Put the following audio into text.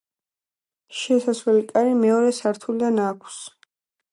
შესასვლელი კარი მეორე სართულიდან აქვს.